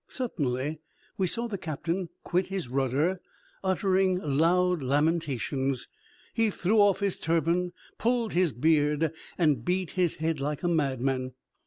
Suddenly we saw the captain quit his rudder, uttering loud lamentations. He threw off his turban, pulled his beard, and beat his head like a madman.